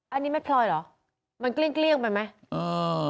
อันนี้แมทพลอยเหรอมันเกลี้ยงไปไหมเออ